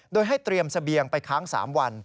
โดยให้เตรียมเสบียงไปค้าง๓วัน